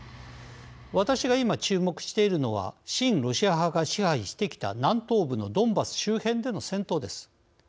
私が今、注目しているのは親ロシア派が支配してきた南東部のドンバス周辺での戦闘です。